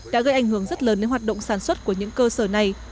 đã gây ảnh hưởng rất lớn đến hoạt động sản xuất của những cơ sở này